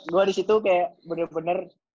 gue disitu kayak bener bener